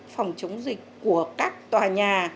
phòng chống dịch của các tòa nhà